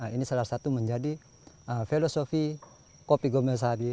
ini salah satu menjadi filosofi kopi gombayasari